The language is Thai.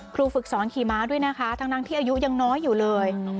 ฝึกสอนขี่ม้าด้วยนะคะทั้งที่อายุยังน้อยอยู่เลย